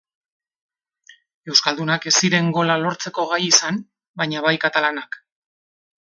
Euskaldunak ez ziren gola lortzeko gai izan, baina bai katalanak.